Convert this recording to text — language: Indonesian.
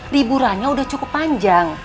riburannya udah cukup panjang